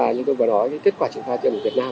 như tôi vừa nói kết quả triển khai tiệm của việt nam